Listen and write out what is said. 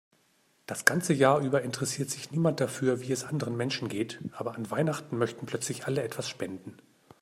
Das ganze Jahr über interessiert sich niemand dafür, wie es anderen Menschen geht, aber an Weihnachten möchten plötzlich alle etwas spenden.